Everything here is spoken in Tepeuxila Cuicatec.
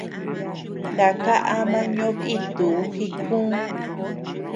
Naka ama ñoʼo dítuu jíkuu.